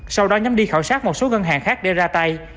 sau đó nhóm đi khảo sát một số ngân hàng khác để ra tay